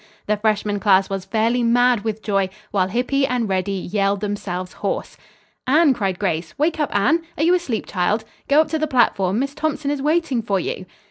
The freshman class was fairly mad with joy, while Hippy and Reddy yelled themselves hoarse. "Anne!" cried Grace. "Wake up, Anne! Are you asleep, child? Go up to the platform. Miss Thompson is waiting for you."